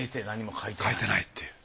描いてないって。